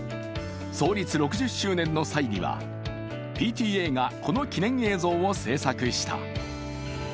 創立６０周年の際には、ＰＴＡがこの記念映像を制作した。